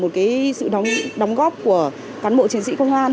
một cái sự đóng góp của cán bộ chiến sĩ công an